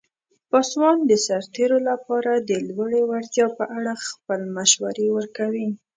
پاسوال د سرتیرو لپاره د لوړې وړتیا په اړه خپل مشورې ورکوي.